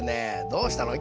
どうしたの？